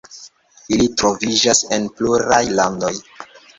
Ili troviĝas en pluraj landoj.